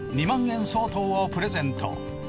２万円相当をプレゼント！